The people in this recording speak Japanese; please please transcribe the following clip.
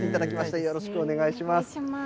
よろしくお願いします。